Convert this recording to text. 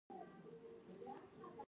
پلار بازار ته ځي.